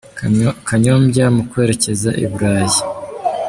Kanyombya mu kwerekeza i Burayi